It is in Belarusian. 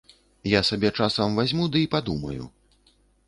Я сабе часам вазьму ды і падумаю.